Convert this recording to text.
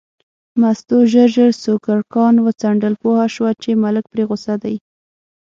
مستو ژر ژر سوکړکان وڅنډل، پوه شوه چې ملک پرې غوسه دی.